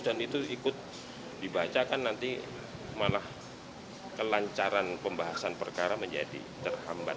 dan itu ikut dibacakan nanti malah kelancaran pembahasan perkara menjadi terhambat